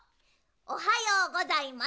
おはようございます。